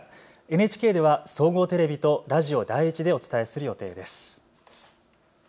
ＮＨＫでは総合テレビとラジオ第１でお伝えする予定です。